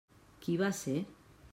Qui va ser?